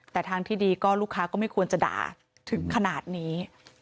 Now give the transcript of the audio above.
แต่ทางที่ดีก็ลูกค้าก็ไม่ควรจะด่าถึงขนาดนี้